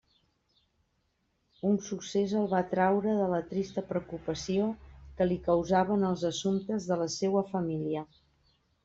Un succés el va traure de la trista preocupació que li causaven els assumptes de la seua família.